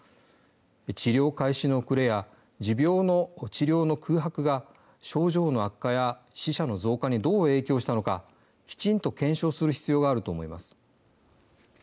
治療開始の遅れや持病の治療の空白が症状の悪化や死者の増加にどう影響したのかきちんと検証する必要があると思います。